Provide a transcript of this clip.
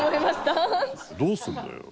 どうするのよ？